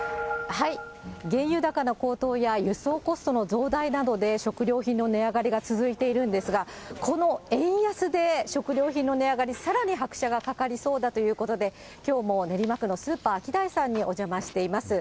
原油高の高騰や輸送コストの増大などで食料品の値上がりが続いているんですが、この円安で食料品の値上がり、さらに拍車がかかりそうだということで、きょうも練馬区のスーパーアキダイさんにお邪魔しています。